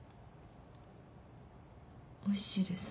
おいしいです。